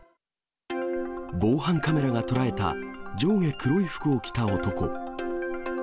防犯カメラが捉えた、上下黒い服を着た男。